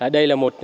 đây là một